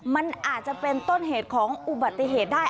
มันอาจจะเป็นต้นเหตุของอุบัติเหตุได้